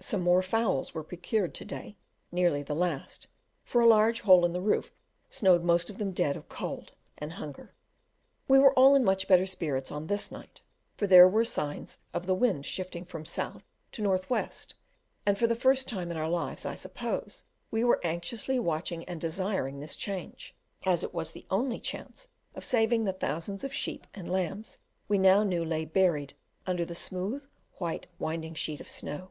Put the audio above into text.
Some more fowls were procured to day, nearly the last, for a large hole in the roof showed most of them dead of cold and hunger. We were all in much better spirits on this night, for there were signs of the wind shifting from south to north west; and, for the first time in our lives I suppose, we were anxiously watching and desiring this change, as it was the only chance of saving the thousands of sheep and lambs we now knew lay buried under the smooth white winding sheet of snow.